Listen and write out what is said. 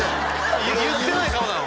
言ってない顔だな